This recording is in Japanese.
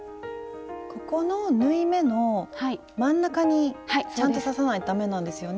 ここの縫い目の真ん中にちゃんと刺さないとダメなんですよね？